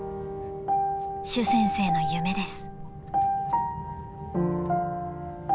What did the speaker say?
［朱先生の夢です］